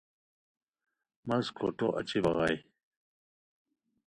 مس کھوٹھو اچی بغائے